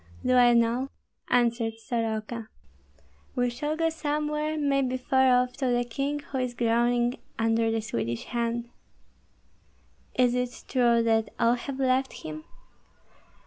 "Do I know?" answered Soroka. "We shall go somewhere, maybe far off, to the king who is groaning under the Swedish hand." "Is it true that all have left him?"